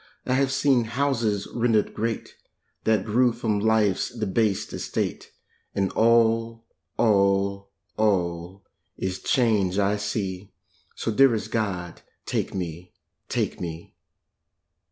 I have seen houses rendered great That grew from life's debased estate, And all, all, all is change I see, So, dearest God, take me, take me.